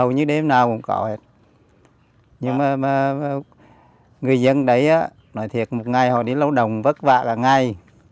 những người dân đấy nói thiệt một ngày họ đi lao động vất vả cả ngày